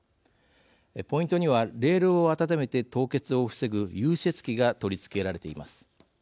ポイントにはレールを温めて凍結を防ぐ融雪器が取り付けられています。